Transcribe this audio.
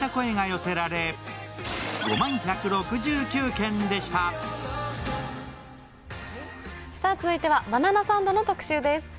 ＳＮＳには続いては「バナナサンド」の特集です。